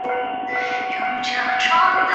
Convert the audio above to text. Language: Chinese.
文嬴以母亲的身分说服晋襄公释放三将归秦。